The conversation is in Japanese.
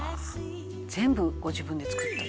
「全部ご自分で作ったの？